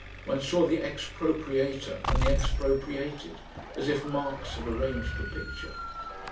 One saw the expropriator and the expropriated as if Marx had arranged the picture.